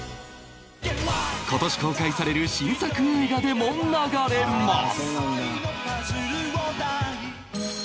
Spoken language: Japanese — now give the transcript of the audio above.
今年公開される新作映画でも流れます